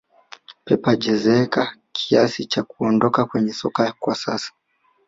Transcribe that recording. pep hajazeeka kiasi cha kuondoka kwenye soka kwa sasa